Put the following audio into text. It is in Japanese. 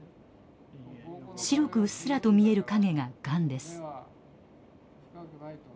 白くうっすらと見える影ががんです。